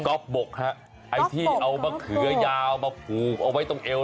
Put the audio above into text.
ก๊อบบกครับไอ้ที่เอามาเขือยาวเอามาผูกเอาไว้ตรงเอว